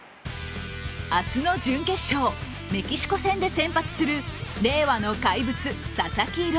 明日の準決勝、メキシコ戦で先発する令和の怪物・佐々木朗